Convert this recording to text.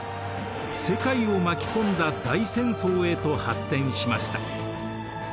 世界を巻き込んだ大戦争へと発展しました。